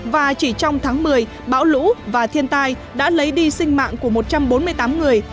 và chỉ trong tháng một mươi bão lũ và thiên tai đã lấy đi sinh mạng của một trăm bốn mươi tám người